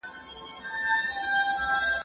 زه به سبا مېوې راټولوم وم؟